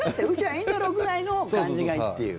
いいんだろぐらいの感じがいいっていう。